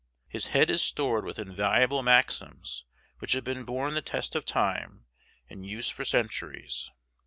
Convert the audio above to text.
His head is stored with invaluable maxims which have borne the test of time and use for centuries.